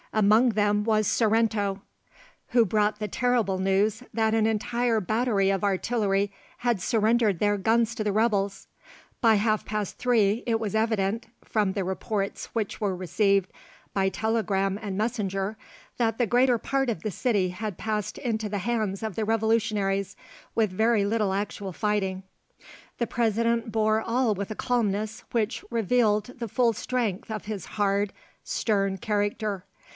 Among them was Sorrento, who brought the terrible news that an entire battery of artillery had surrendered their guns to the rebels. By half past three it was evident, from the reports which were received by telegram and messenger, that the greater part of the city had passed into the hands of the Revolutionaries with very little actual fighting. The President bore all with a calmness which revealed the full strength of his hard, stern character.